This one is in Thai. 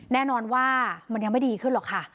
แน่นอนว่ามันยังไม่ดีขึ้นหรอกค่ะ